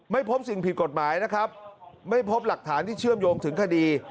ไม่พบสิ่งผิดกฎหมายนะครับไม่พบหลักฐานที่เชื่อมโยงถึงคดี